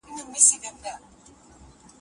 نړۍ لا څرخي